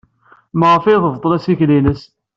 Maɣef ay tebṭel assikel-nnes?